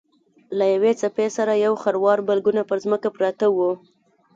له یوې څپې سره یو خروار بلګونه پر ځمکه پراته وو.